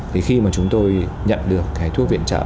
thì khi mà chúng tôi nhận được cái thuốc viện trợ